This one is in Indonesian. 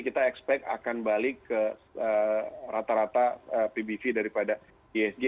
kita expect akan balik ke rata rata pbv daripada isg